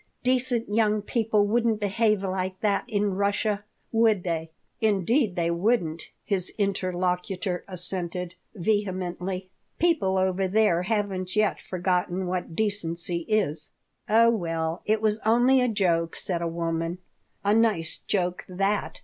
"Decent young people wouldn't behave like that in Russia, would they?" "Indeed they wouldn't," his interlocutor assented, vehemently. "People over there haven't yet forgotten what decency is." "Oh, well, it was only a joke, said a woman "A nice joke, that!"